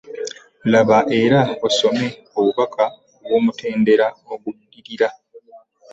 Laba era osome obubaka obw’omutendera oguddirira.